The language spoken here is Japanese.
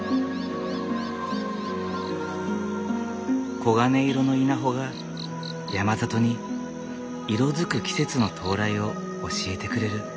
黄金色の稲穂が山里に色づく季節の到来を教えてくれる。